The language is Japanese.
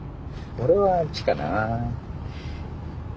俺はあっちかな？